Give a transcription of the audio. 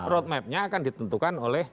road mapnya akan ditentukan oleh